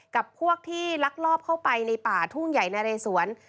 กับพวกที่ลักลอบเข้าไปในป่าทุ่งใหญ่นะเรสวน